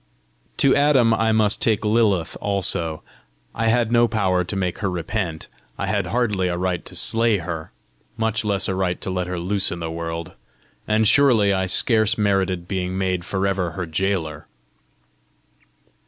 To Adam I must take Lilith also. I had no power to make her repent! I had hardly a right to slay her much less a right to let her loose in the world! and surely I scarce merited being made for ever her gaoler!